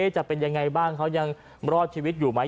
จะเป็นยังไงบ้างเขายังรอดชีวิตอยู่ไหม